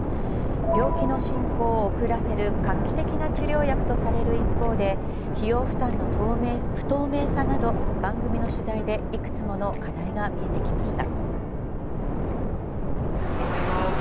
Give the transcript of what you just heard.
病気の進行を遅らせる画期的な治療薬とされる一方で費用負担の不透明さなど番組の取材で、いくつもの課題が見えてきました。